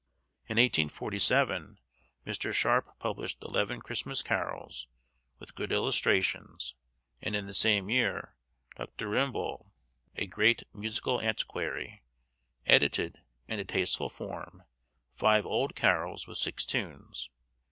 In 1847 Mr. Sharpe published eleven Christmas carols, with good illustrations; and in the same year, Dr. Rimbault, a great musical antiquary, edited, in a tasteful form, five old carols, with six tunes.